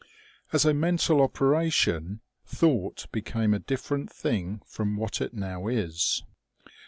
As 204 OMEGA . a mental operation, thought became a different thing from what it now is.